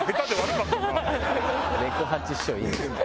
猫八師匠いいの。